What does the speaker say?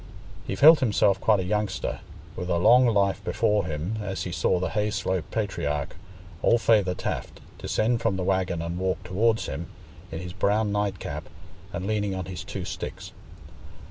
He felt himself quite a youngster, with a long life before him, as he saw the Hayslope patriarch, old Feyther Taft, descend from the waggon and walk towards him, in his brown nightcap, and leaning on his two sticks.